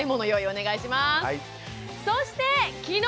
お願いします。